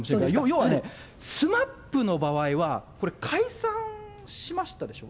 要はね、ＳＭＡＰの場合は、これ、解散しましたでしょ。